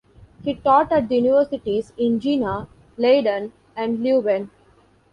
He taught at the universities in Jena, Leiden and Leuven.